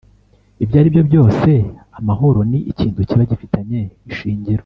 ibyo aribyo byose amahoro ni ikintu kiba gifitanye ishingiro